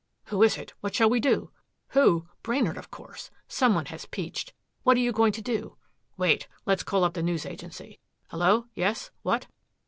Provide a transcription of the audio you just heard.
"Who is it? What shall we do?" "Who! Brainard, of course. Some one has peached. What are you going to do?" "Wait. Let's call up the News Agency. Hello yes what?